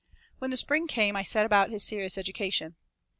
When the spring came I set about his serious education.